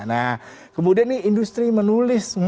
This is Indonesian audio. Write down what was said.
nah kemudian nih industri menulis